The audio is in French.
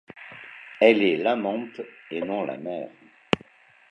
Elle est l’amante, et non la mère.